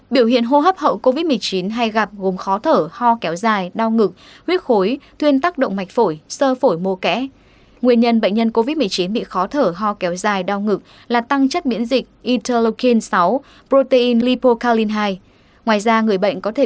biến chứng nguy hiểm sâu phổi mô kẽ có thể xuất hiện ở người trẻ